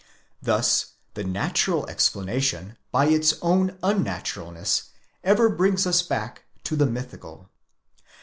Thus the natural explanation, by its own unnaturalness, ever brings us back to the mythical.